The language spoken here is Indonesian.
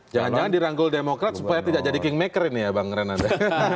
jangan jangan dirangkul demokrat supaya tidak jadi kingmaker ini ya bang renan